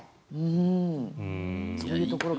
そういうところが。